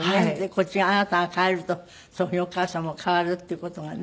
こっちがあなたが変わるとそういうふうにお母様も変わるっていう事がね。